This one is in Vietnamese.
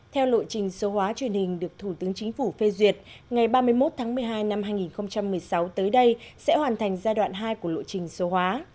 theo lộ trình số hóa truyền hình được thủ tướng chính phủ phê duyệt ngày ba mươi một tháng một mươi hai năm hai nghìn một mươi sáu tới đây sẽ hoàn thành giai đoạn hai của lộ trình số hóa